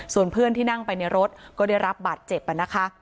ส่วนเพื่อนที่นั่งไปในรถก็ได้รับบาดเจ็บนะคะ